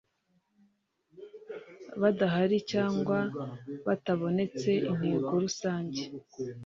badahari cyangwa batabonetse inteko rusange